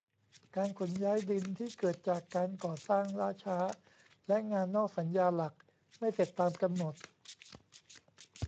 การขนย้ายดินที่เกิดจากการก่อสร้างล่าช้า และ งานนอกสัญญาหลักไม่เสร็จตามกำหนด